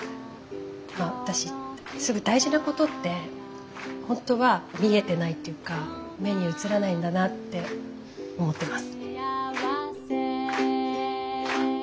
私大事なことって本当は見えてないっていうか目に映らないんだなって思ってます。